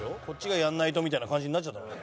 こっちがやらないとみたいな感じになっちゃった？